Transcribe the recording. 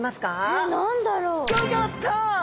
えっ何だろう？